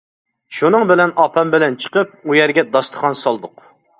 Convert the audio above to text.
شۇنىڭ بىلەن ئاپام بىلەن چىقىپ، ئۇ يەرگە داستىخان سالدۇق.